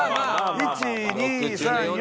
１２３４